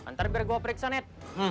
ntar biar gue periksa net